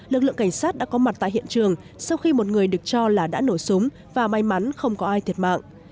lực lượng cảnh sát đã có mặt tại hiện trường sau khi một người được cho là đã nổ súng và may mắn không có ai thiệt mạng